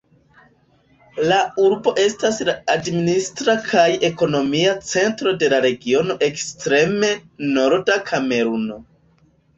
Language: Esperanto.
La urbo estas la administra kaj ekonomia centro de la regiono Ekstreme norda Kameruno.